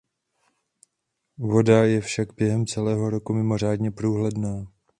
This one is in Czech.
Voda je však během celého roku mimořádně průhledná.